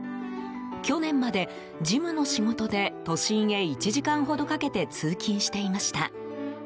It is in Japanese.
去年まで事務の仕事で都心へ１時間ほどかけて通勤していました。